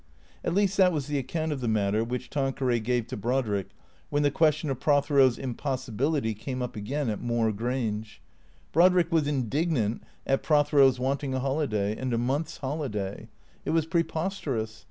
At least that was the account of the matter which Tanqueray gave to Brodrick when the question of Prothero's impossibility came up again at Moor Grange. Brodrick was indignant at Prothero's wanting a holiday, and a month's holiday. It was preposterous.